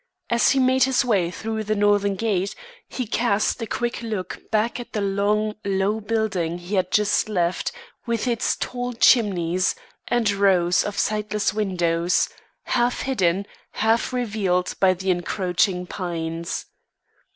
As he made his way through the northern gate, he cast a quick look back at the long, low building he had just left, with its tall chimneys and rows of sightless windows, half hidden, half revealed by the encroaching pines.